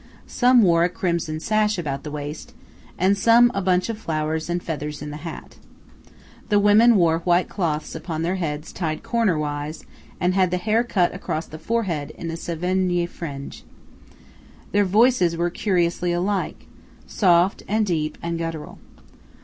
Some wore a crimson sash about the waist, and some a bunch of flowers and feathers in the hat. The women wore white cloths upon their heads tied corner wise, and had the hair cut across the forehead in a Sévigné fringe. Their voices were curiously alike–soft, and deep, and guttural.